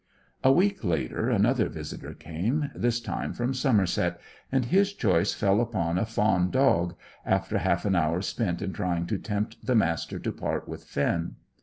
A week later another visitor came, this time from Somerset, and his choice fell upon a fawn dog, after half an hour spent in trying to tempt the Master to part with Finn.